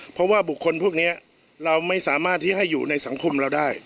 เพราะว่าบุคคลพวกนี้เราไม่สามารถที่ให้อยู่ในสังคมเราได้